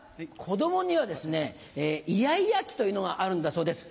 子供にはですねイヤイヤ期というのがあるんだそうです。